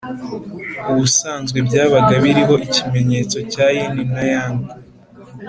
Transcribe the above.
ubusanzwe byabaga biriho ikimenyetso cya yin na yang